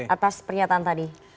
atas pernyataan tadi